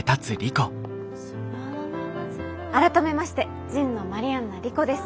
改めまして神野マリアンナ莉子です。